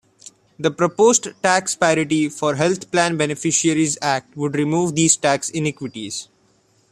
The proposed Tax Parity for Health Plan Beneficiaries Act would remove these tax inequities.